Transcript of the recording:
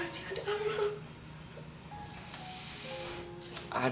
apa masih ada allah